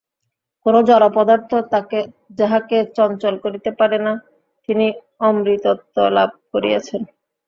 কোন জড় পদার্থ যাঁহাকে চঞ্চল করিতে পারে না, তিনি অমৃতত্ব লাভ করিয়াছেন।